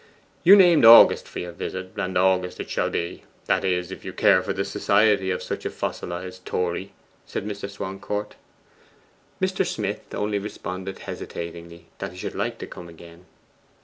'You named August for your visit. August it shall be; that is, if you care for the society of such a fossilized Tory,' said Mr. Swancourt. Mr. Smith only responded hesitatingly, that he should like to come again.